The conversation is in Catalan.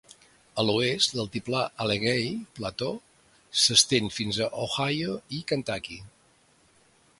A l'oest l'altiplà Allegheny Plateau s'estén fins a Ohio i Kentucky.